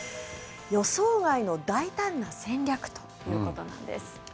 予想外の大胆な戦略ということなんです。